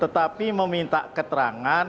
tetapi meminta keterangan